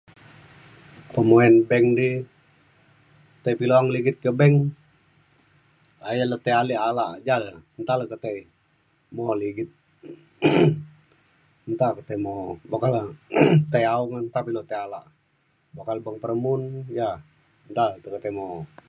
pengoyan bank di tai pe ilu aung ligit ke bank ayen le tai alik talak e. ja nta le ketai mo'o ligit nta ketai mo'o boka le tai aung e nta pe ilu ketai alak e. boka le beng peremun ja nta te ketei mo'o.